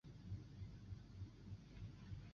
洛伊波尔茨格林是德国巴伐利亚州的一个市镇。